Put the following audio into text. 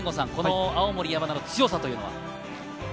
青森山田の強さというのは？